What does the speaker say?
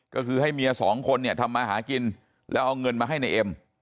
ก็คือให้เมียสองคนเนี่ยทำมาหากินแล้วเอาเงินมาให้ในเอ็ม